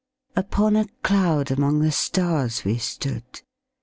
Upon a cloud among the stars we stood.